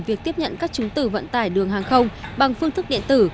việc tiếp nhận các chứng tử vận tải đường hàng không bằng phương thức điện tử